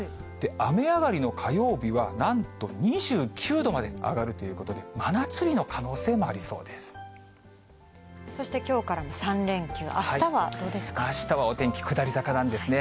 雨上がりの火曜日は、なんと２９度まで上がるということで、そして、きょうからの３連休、あしたはお天気下り坂なんですね。